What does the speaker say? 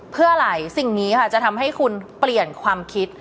เพื่ออะไรสิ่งนี้ค่ะจะทำให้คุณเปลี่ยนความคิด